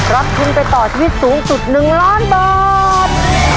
รับทุนไปต่อชีวิตสูงสุด๑ล้านบาท